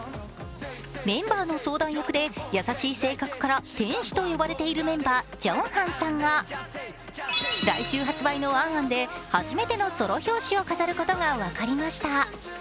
メンバーの相談役で優しい性格から天使と呼ばれているメンバージョンハンさんが来週発売の「ａｎ・ａｎ」で初めてのソロ表紙を飾ることが分かりました。